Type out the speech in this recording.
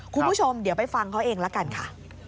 คุณผู้ชมเดี๋ยวไปฟังเขาเองละกันค่ะ